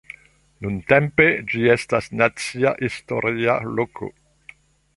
Nuntempe, ĝi estas nacia historia loko.